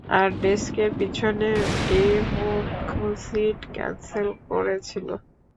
আর ডেস্কের পিছনের এই মুর্খ সিট ক্যান্সেল করেছিলো।